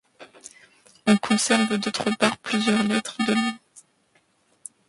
On conserve d'autre part plusieurs lettres de lui.